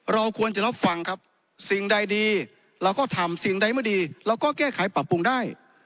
เราควรจะรับฟังครับสิ่งใดดีเราก็ทำสิ่งใดไม่ดีเราก็แก้ไขปรับปรุงได้